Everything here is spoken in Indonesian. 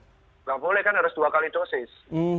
tidak boleh kan harus dua kali dosis